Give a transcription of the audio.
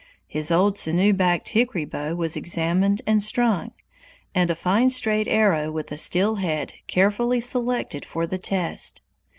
His old sinew backed hickory bow was examined and strung, and a fine straight arrow with a steel head carefully selected for the test.